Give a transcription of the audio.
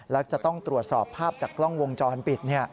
และจะต้องตรวจสอบภาพจากกล้องวงจรปิด